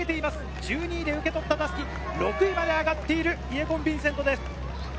１２位で受け取った襷、６位まで上がっているイェゴン・ヴィンセントです。